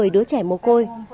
một mươi đứa trẻ mồ côi